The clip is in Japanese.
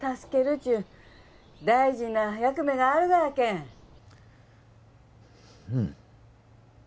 っちゅう大事な役目があるがやけんうん